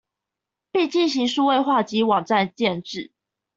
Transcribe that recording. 並進行數位化及網站建置